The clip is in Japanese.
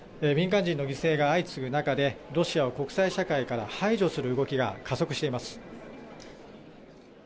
民間人の犠牲が相次ぐ中でロシアを国際社会から排除する動きが加速しています。